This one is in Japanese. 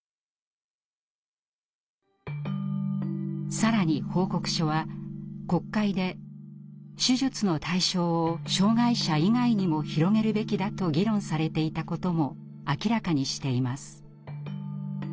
更に報告書は国会で手術の対象を障害者以外にも広げるべきだと議論されていたことも明らかにしています。